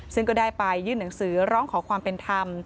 ซึ่งก็ได้ไปยื่นหนังสือร้องขอความเป็นธรรม